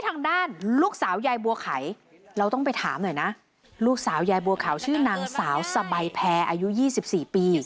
ทางด้านลูกสาวยายบัวไข่เราต้องไปถามหน่อยนะลูกสาวยายบัวขาวชื่อนางสาวสบายแพรอายุ๒๔ปี